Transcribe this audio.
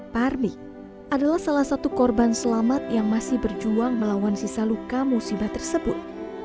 parmi adalah salah satu korban selamat yang masih berjuang melawan sisa luka musibah tersebut